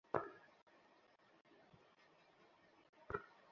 আপনিই তো বলেছিলেন তেজ কমাতে হবে।